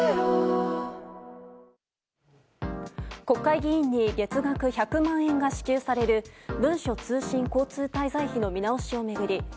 国会議員に月額１００万円が支給される文書通信交通滞在費の見直しを巡り